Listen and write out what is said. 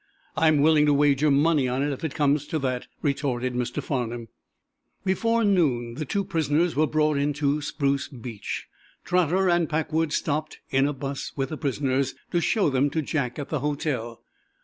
"I'm willing to wager money on it, if it comes to that," retorted Mr. Farnum. Before noon the two prisoners were brought into Spruce Beach. Trotter and Packwood stopped, in a 'bus with the prisoners, to show them to Jack at the hotel.